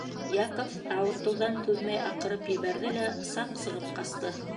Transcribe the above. Яков ауыртыуҙан түҙмәй аҡырып ебәрҙе лә саҡ сығып ҡасты.